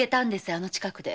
あの近くで。